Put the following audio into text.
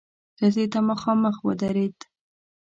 ښځې ته مخامخ ودرېد.